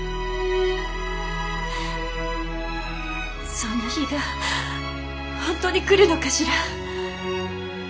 そんな日が本当に来るのかしら。